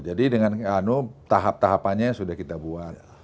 jadi dengan tahap tahapannya sudah kita buat